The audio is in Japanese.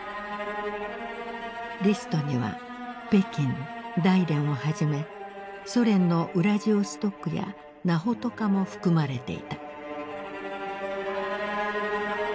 リストには北京大連をはじめソ連のウラジオストクやナホトカも含まれていた。